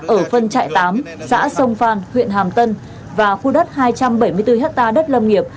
ở phân trại tám xã sông phan huyện hàm tân và khu đất hai trăm bảy mươi bốn hectare đất lâm nghiệp